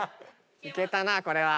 いけたなこれは。